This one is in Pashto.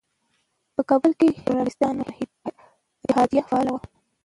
په کابل کې ژورنالېستانو اتحادیه فعاله وه.